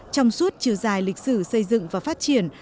trong suốt chiều dài lịch sử xây dựng và phát triển